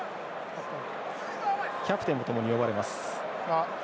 キャプテンとともに呼ばれます。